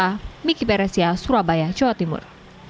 hai miki peresia surabaya jawa timur